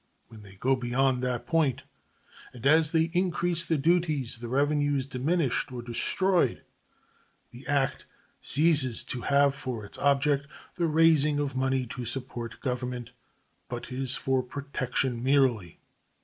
When they go beyond that point, and as they increase the duties, the revenue is diminished or destroyed; the act ceases to have for its object the raising of money to support Government, but is for protection merely.